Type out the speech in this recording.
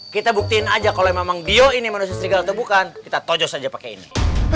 kita buktiin aja kalau memang dio ini manusia serigala atau bukan kita tojos aja pakai ini